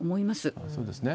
そうですね。